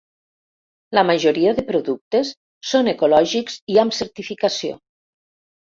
La majoria de productes són ecològics i amb certificació.